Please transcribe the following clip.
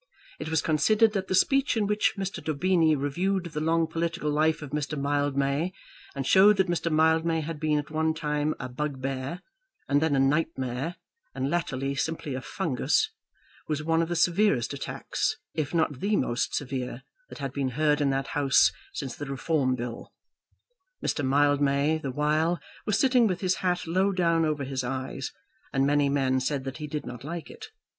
It was considered that the speech in which Mr. Daubeny reviewed the long political life of Mr. Mildmay, and showed that Mr. Mildmay had been at one time a bugbear, and then a nightmare, and latterly simply a fungus, was one of the severest attacks, if not the most severe, that had been heard in that House since the Reform Bill. Mr. Mildmay, the while, was sitting with his hat low down over his eyes, and many men said that he did not like it.